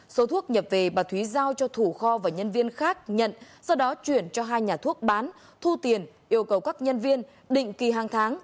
số thuốc nhập về bà thúy giao cho thủ kho và nhân viên khác nhận sau đó chuyển cho hai nhà thuốc bán thu tiền yêu cầu các nhân viên định kỳ hàng tháng